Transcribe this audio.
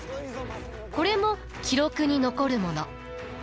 これも記録に残るもの。